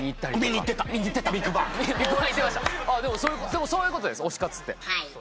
でもそういうことです推し活って。